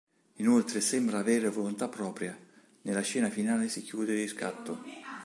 Inoltre sembra avere volontà propria: nella scena finale si chiude di scatto.